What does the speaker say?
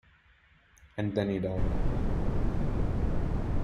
And then he died.